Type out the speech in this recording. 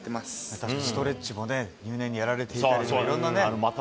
確かにストレッチも入念にやられていたり、いろんなね。